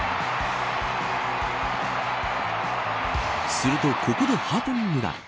すると、ここでハプニングが。